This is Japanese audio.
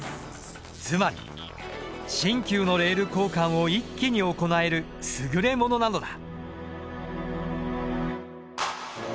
つまり新旧のレール交換を一気に行える優れものなのだ。